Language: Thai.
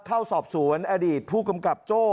เข้าสอบสวนอดีตผู้กำกับโจ้